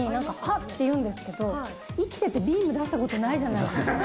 って言うんですけど、生きててビーム出したことないじゃないですか。